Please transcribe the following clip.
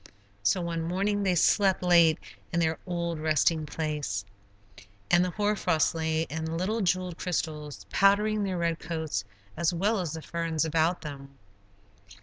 So one morning they slept late in their old resting place, and the hoar frost lay in little jeweled crystals, powdering their red coats as well as the ferns about them.